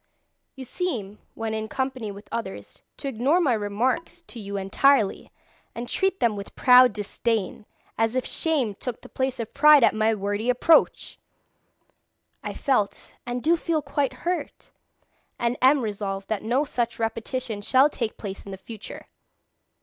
You seem when in company with others to ignore my remarks to you entirely, and treat them with proud disdain, as if shame took the place of pride at my wordy approach! I felt and do feel quite hurt, and am resolved that no such repetition shall take place in future.